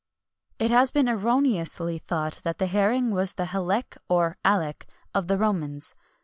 It has been erroneously thought that the herring was the halec, or, alec, of the Romans.